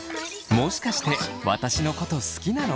「もしかして私のこと好きなの？」。